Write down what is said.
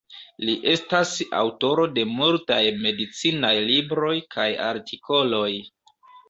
Li estas aŭtoro de multaj medicinaj libroj kaj artikoloj.